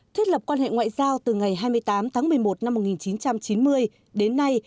thiết lập quan hệ ngoại giao từ ngày hai mươi tám tháng một mươi một năm một nghìn chín trăm chín mươi đến nay